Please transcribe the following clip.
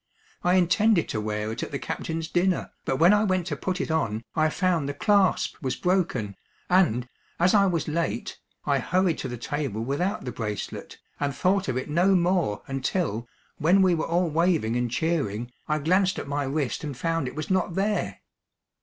I intended to wear it at the captain's dinner, but when I went to put it on I found the clasp was broken, and, as I was late, I hurried to the table without the bracelet, and thought of it no more until, when we were all waving and cheering, I glanced at my wrist and found it was not there.